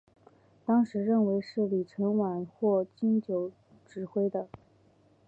当时认为是李承晚或金九指挥的。